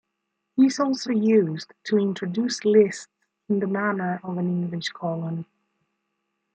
It is also used to introduce lists in the manner of an English colon.